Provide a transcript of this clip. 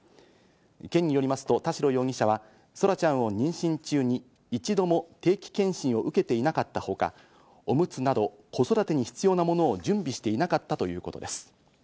県によりますと田代容疑者は空来ちゃんを妊娠中に一度も定期健診を受けていなかったほか、おむつなど子育てに必要なものを準備していなかったということです。